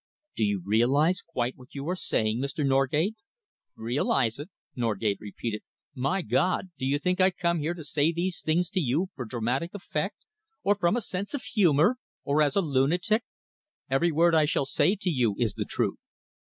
"Do you realise quite what you are saying, Mr. Norgate?" "Realise it?" Norgate repeated. "My God! Do you think I come here to say these things to you for dramatic effect, or from a sense of humour, or as a lunatic? Every word I shall say to you is the truth.